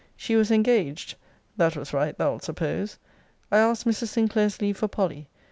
She was engaged, [that was right, thou'lt suppose]. I asked Mrs. Sinclair's leave for Polly.